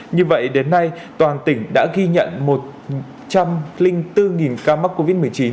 như vậy đến nay toàn tỉnh đã ghi nhận một trăm linh bốn ca mắc covid một mươi chín